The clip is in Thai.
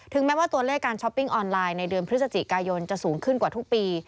แม้ว่าตัวเลขการช้อปปิ้งออนไลน์ในเดือนพฤศจิกายนจะสูงขึ้นกว่าทุกปี